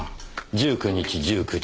１９日１９時。